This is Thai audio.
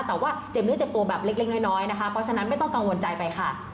แต่ว่าเจ็บเนื้อเจ็บตัวแบบเล็กน้อยนะคะเพราะฉะนั้นไม่ต้องกังวลใจไปค่ะ